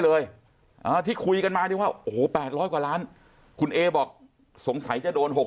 เลยที่คุยกันมานี่ว่าโอ้โห๘๐๐กว่าล้านคุณเอบอกสงสัยจะโดน๖๐